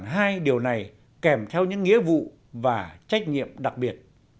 hai điều này kèm theo những nghĩa vụ và trách nhiệm đặc biệt